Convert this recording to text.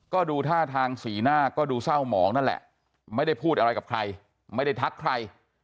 ก็ดูท่าทางสีหน้าก็ดูเศร้าหมองนั่นแหละไม่ได้พูดอะไรกับใครไม่ได้ทักใคร